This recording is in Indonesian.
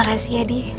makasih ya di